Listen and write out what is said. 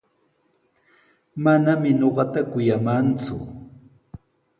Manami ñuqata kuyamanku.